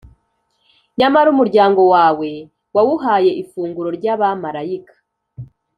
Nyamara umuryango wawe wawuhaye ifunguro ry’abamalayika,